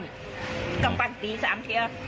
กำปั้นตี๓เทียร์